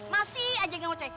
masih aja gak mau capek